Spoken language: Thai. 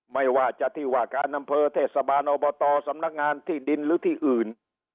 ไม่ว่าจะที่ว่าการอำเภอเทศบาลอบตสำนักงานที่ดินหรือที่อื่น